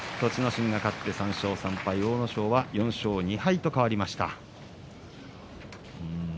心が勝って３勝３敗阿武咲は４勝２敗となりました。